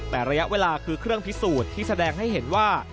แต่ระยะเวลาคือเครื่องพิสูจน์ที่แสดงให้เห็นว่า